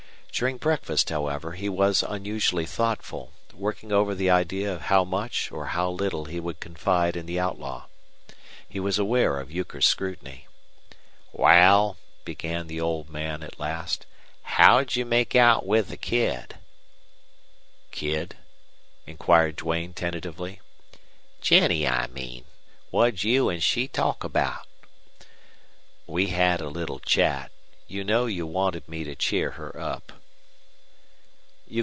During breakfast, however, he was unusually thoughtful, working over the idea of how much or how little he would confide in the outlaw. He was aware of Euchre's scrutiny. "Wal," began the old man, at last, "how'd you make out with the kid?" "Kid?" inquired Duane, tentatively. "Jennie, I mean. What'd you An' she talk about?" "We had a little chat. You know you wanted me to cheer her up."